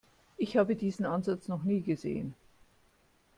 Ich habe diesen Ansatz noch nie gesehen.